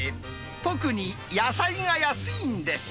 特に野菜が安いんです。